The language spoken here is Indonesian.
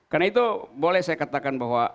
karena itu boleh saya katakan bahwa